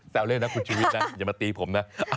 แซวเลยนะคุณชุวิตอย่ามาตีผม